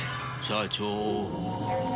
社長。